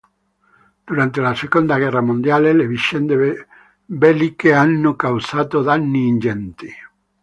Durante la seconda guerra mondiale le vicende belliche hanno causato danni ingenti.